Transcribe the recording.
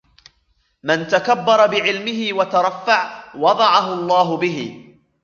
مَنْ تَكَبَّرَ بِعِلْمِهِ وَتَرَفَّعَ وَضَعَهُ اللَّهُ بِهِ